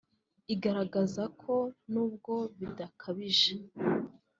Igaragaza ko nubwo bidakabije